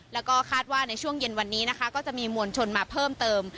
แล้วก็คาดว่าในช่วงเย็นวันนี้นะคะก็จะมีมวลชนมาเพิ่มเติม